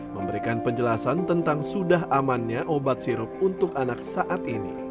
memberikan penjelasan tentang sudah amannya obat sirup untuk anak saat ini